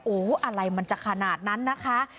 โอ้โหอะไรมันจะขนาดนั้นนะคะ